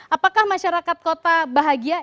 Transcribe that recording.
apakah masyarakat kota bahagia